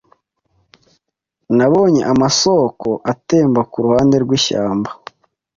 Nabonye amasoko atemba kuruhande rwishyamba